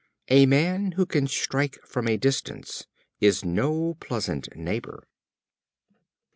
A man who can strike from a distance is no pleasant neighbor.